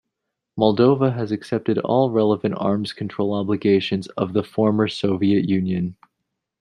Moldova has accepted all relevant arms control obligations of the former Soviet Union.